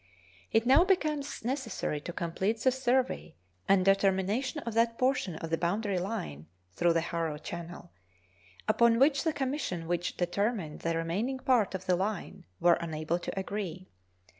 It now becomes necessary to complete the survey and determination of that portion of the boundary line (through the Haro Channel) upon which the commission which determined the remaining part of the line were unable to agree.